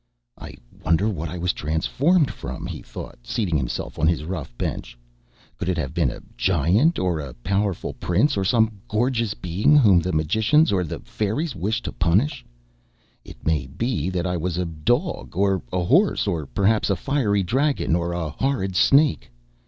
"I wonder what I was transformed from?" he thought, seating himself on his rough bench. "Could it have been a giant, or a powerful prince, or some gorgeous being whom the magicians or the fairies wished to punish? It may be that I was a dog or a horse, or perhaps a fiery dragon or a horrid snake.